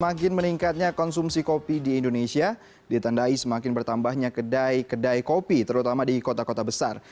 semakin meningkatnya konsumsi kopi di indonesia ditandai semakin bertambahnya kedai kedai kopi terutama di kota kota besar